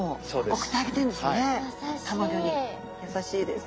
優しいです。